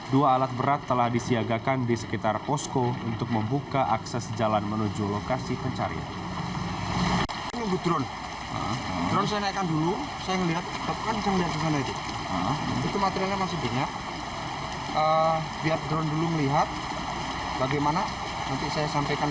dua alat berat telah disiagakan di sekitar posko untuk membuka akses jalan menuju lokasi pencarian